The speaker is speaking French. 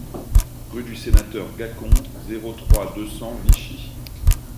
Rue du Sénateur Gacon, zéro trois, deux cents Vichy